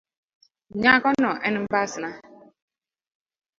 Nyakono en mbasna.